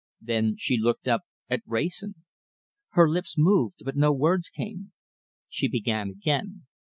Then she looked up at Wrayson. Her lips moved but no words came. She began again.